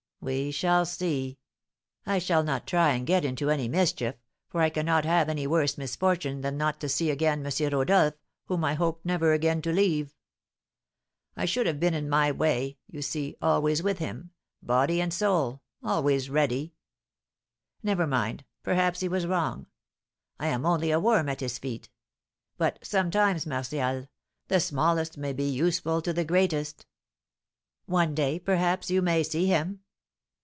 "We shall see. I shall not try and get into any mischief, for I cannot have any worse misfortune than not to see again M. Rodolph, whom I hoped never again to leave. I should have been in my way, you see, always with him, body and soul, always ready. Never mind, perhaps he was wrong, I am only a worm at his feet; but sometimes, Martial, the smallest may be useful to the greatest." "One day, perhaps, you may see him."